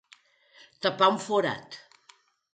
Tapar un forat.